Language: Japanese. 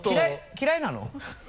嫌いなの？